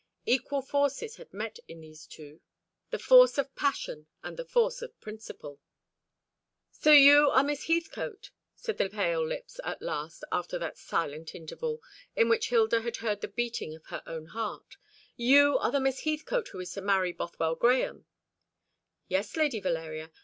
Equal forces had met in these two the force of passion and the force of principle. "So you are Miss Heathcote," said the pale lips at last, after that silent interval, in which Hilda had heard the beating of her own heart; "you are the Miss Heathcote who is to marry Bothwell Grahame?" "Yes, Lady Valeria.